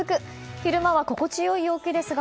昼間は心地良い陽気ですが